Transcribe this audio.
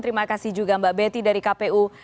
terima kasih juga mbak betty dari kpu